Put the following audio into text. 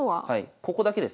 ここだけです。